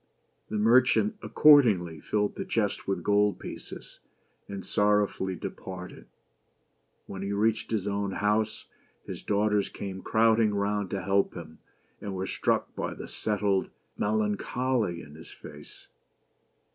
The merchant accordingly filled the chest with gold pieces, and sorrowfully departed. When he reached his own house, his daughters came crowding round to welcome him, and were struck with the settled melancholy in his face.